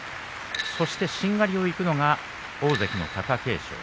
そしてしんがりを行くのが大関の貴景勝。